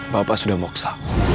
bapak sudah moksa